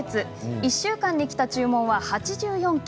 １週間にきた注文は８４件。